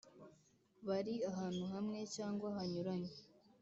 bari ahantu hamwe cyangwa hanyuranye